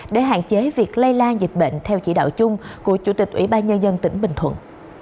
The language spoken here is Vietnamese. để hạn chế việc lây lan dịch bệnh theo chỉ đạo chung của chủ tịch ủy ban nhân dân tỉnh bình thuận